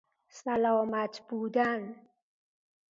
سلامت بودن